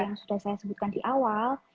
yang sudah saya sebutkan di awal